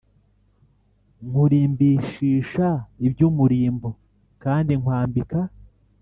Nkurimbishisha iby umurimbo kandi nkwambika